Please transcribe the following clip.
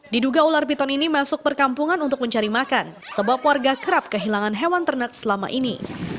diduga ular piton ini masuk perkampungan untuk mencari makan sebab warga kerap kehilangan hewan ternak selama ini